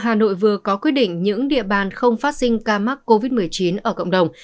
hà nội vừa có quyết định những địa bàn không phát sinh ca mắc covid một mươi chín ở cộng đồng